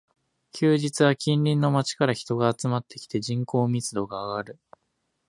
休日は近隣の街から人が集まってきて、人口密度が上がる